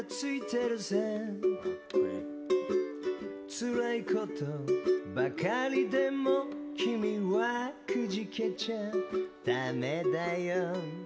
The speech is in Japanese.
つらいことばかりでも君はくじけちゃだめだよ